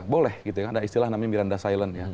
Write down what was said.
boleh ada istilah namanya miranda's island